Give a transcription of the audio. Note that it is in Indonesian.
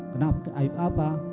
kenapa aib apa